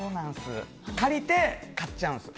借りて、買っちゃうんです。